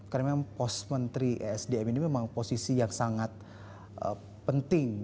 karena memang pos menteri sdm ini memang posisi yang sangat penting